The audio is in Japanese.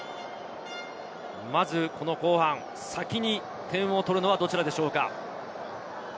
まず後半、先に点を取るのはどちらでしょうか。